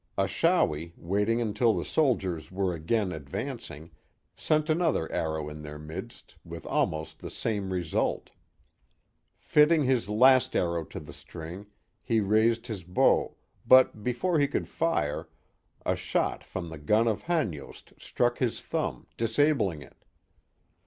Achawi, waiting until the soldiers were again ad vancing, sent another arrow in their midst, with almost the same result. Fitting his last arrow to the string, he raised his bow, but before he could fire, a shot from the gun of Hanyost struck his thumb, disabling it.